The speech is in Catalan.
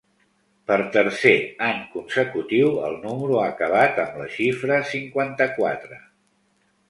Per tercer any consecutiu el número ha acabat amb la xifra cinquanta-quatre.